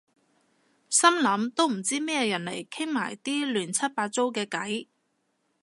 心諗都唔知咩人嚟傾埋晒啲亂七八糟嘅偈